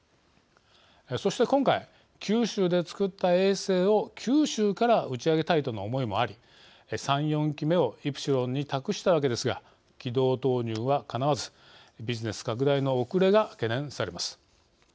そして今回、九州でつくった衛星を九州から打ち上げたいとの思いもあり３、４機目をイプシロンに託したわけですが軌道投入はかなわずビジネス拡大の遅れが懸念されます。